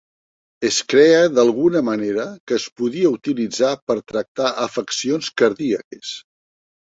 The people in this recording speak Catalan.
Es creia d"alguna manera que es podia utilitzar per tractar afeccions cardíaques.